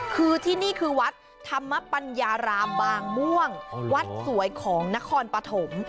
คือที่นี่คือวัดธรรมปัญญารามบางม่วงวัดสวยของนครปฐม